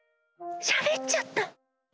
しゃべっちゃった！